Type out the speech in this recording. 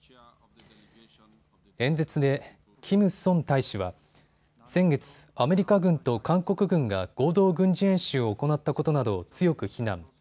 演説でキム・ソン大使は先月、アメリカ軍と韓国軍が合同軍事演習を行ったことなどを強く非難。